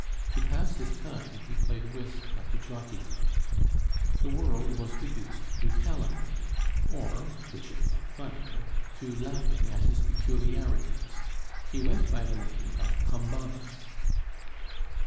To pass his time he played whist at the Jockey Club. The world was reduced to calumny, or, which it thought funnier, to laughing at his peculiarities; he went by the name of Combabus.